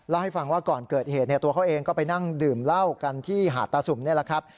เล่าให้ฟังว่าก่อนเกิดเหตุตัวเขาเองก็ไปนั่งดื่มเหล้ากันที่หาดตาสุ่มนี่แหละครับ